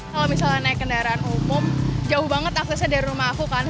kalau misalnya naik kendaraan umum jauh banget aksesnya dari rumah aku kan